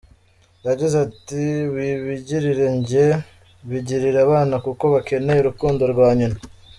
Yagize ati, “Wibigirira njye, bigirire abana kuko bakeneye urukundo rwa nyina”.